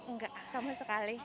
nggak sama sekali